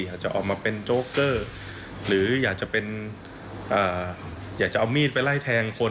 อาจจะออกมาเป็นโจ๊กเกอร์หรืออยากจะเป็นอยากจะเอามีดไปไล่แทงคน